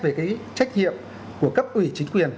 về cái trách hiệp của cấp ủy chính quyền